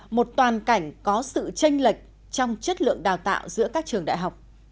một toàn cảnh có sự tranh lệch trong chất lượng đào tạo giữa các trường đại học